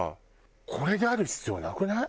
これである必要なくない？